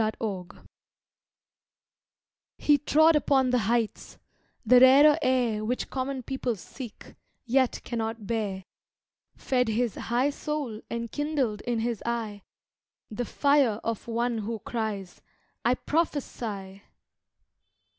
The Prophet HE trod upon the heights; the rarer air Which common people seek, yet cannot bear, Fed his high soul and kindled in his eye The fire of one who cries "I prophesy!"